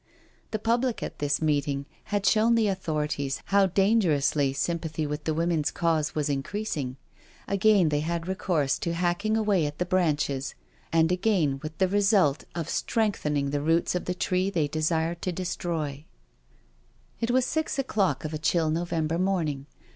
The public at this meeting had shown the authorities how dangerously sympathy with the Women's Cause was increasing. Again they had recourse to hacking away at the branches, and again with the result of strengthening the roots of the tree they desired to destroy. 353 254 NO SURRENDER It was six o'clock of a chill November morning.